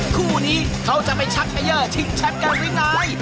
คู่นี้เขาจะไปชักไอเยอร์ชิงชักกันหรือยังไง